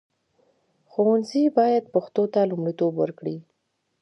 ښوونځي باید پښتو ته لومړیتوب ورکړي.